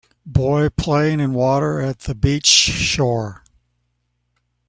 Boy playing in water at the beach shore.